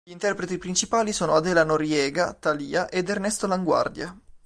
Gli interpreti principali sono Adela Noriega, Thalía ed Ernesto Laguardia.